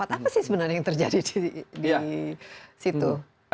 apa sih sebenarnya yang terjadi di situ